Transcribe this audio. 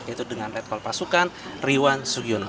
yaitu dengan red call pasukan riwan sugiono